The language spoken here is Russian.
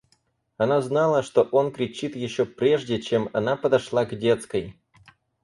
Она знала, что он кричит, еще прежде, чем она подошла к детской.